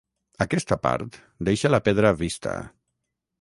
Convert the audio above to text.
Aquesta part deixa la pedra vista.